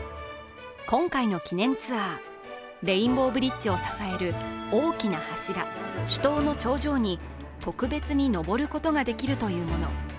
今回の記念ツアー、レインボーブリッジを支える大きな柱＝主塔の頂上に特別に登ることができるというもの。